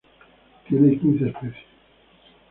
Tiene quince especies.